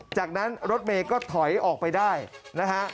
จากนั้นรถเมย์ก็ถอยออกไปได้นะฮะ